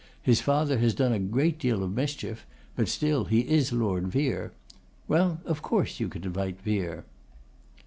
His father has done a great deal of mischief, but still he is Lord Vere. Well, of course, you can invite Vere.